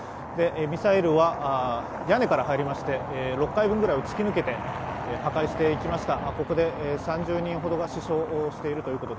ミサイルは屋根から入りまして６回分ぐらいを突き抜けて破壊していきました